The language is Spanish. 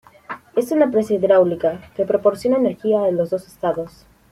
Es una presa hidráulica que proporciona energía a los dos estados.